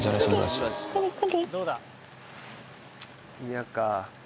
嫌か。